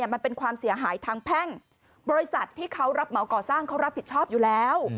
มันเป็นความเสียหายทางแพ่งบริษัทที่เขารับเหมาก่อสร้างเขารับผิดชอบอยู่แล้ว